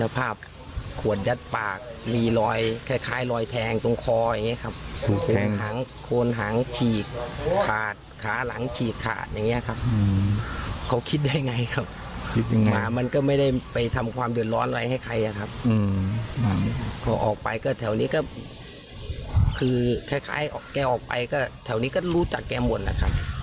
พอออกไปก็แถวนี้ก็คือคล้ายแกออกไปก็แถวนี้ก็รู้จักแกหมดละครับ